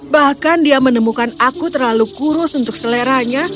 bahkan dia menemukan aku terlalu kurus untuk seleranya